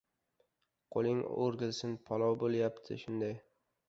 — Qo‘ling o‘rgilsin palov bo‘layapti! Shunday.